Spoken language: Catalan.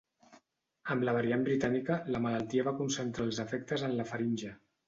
Amb la variant britànica, la malaltia va concentrar els efectes en la faringe.